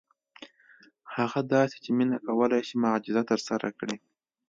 هغه داسې چې مينه کولی شي معجزه ترسره کړي.